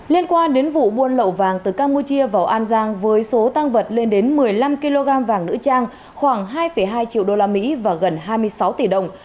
liên quan đến vụ buôn lậu vàng từ campuchia vào an giang với số tăng vật lên đến một mươi năm kg vàng nữ trang khoảng hai hai triệu usd và gần hai mươi sáu tỷ đồng